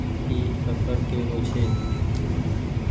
اي پڪڙ ڪي رو ڇي۔